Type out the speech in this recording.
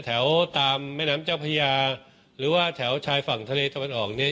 แถวตามแม่น้ำเจ้าพยาหรือว่าแถวฝั่งทเรเทวร์ทำอะไรออกเนี้ย